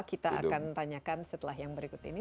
kita akan tanyakan setelah yang berikut ini